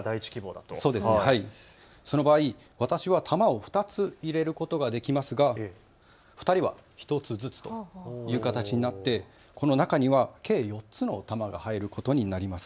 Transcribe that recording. その場合、私は玉を２つ入れることができますが２人は１つずつという形になって中には計４つの玉が入ることになります。